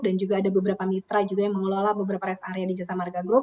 dan juga ada beberapa mitra juga yang mengelola beberapa res area di jasa marga group